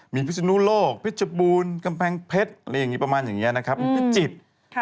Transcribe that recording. มีพิสุนุโลกพิสุบูรณ์กำแพงเพชรอะไรอย่างนี้ประมาณอย่างนี้พิจิตร